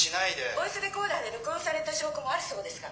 「ボイスレコーダーで録音された証拠もあるそうですが」。